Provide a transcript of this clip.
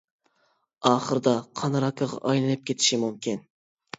ئاخىرىدا قان راكىغا ئايلىنىپ كېتىشى مۇمكىن.